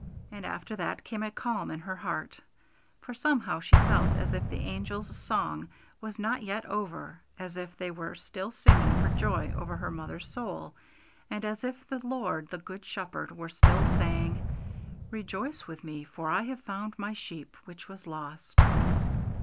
And after that came a calm in her heart; for somehow she felt as if the angels' song was not yet over, as if they were still singing for joy over her mother's soul, and as if the Lord, the Good Shepherd, were still saying, 'Rejoice with Me, for I have found My sheep which was lost.'